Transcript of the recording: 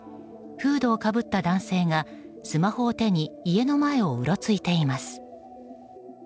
フードをかぶった男性がスマホを手に家の前をうろついています。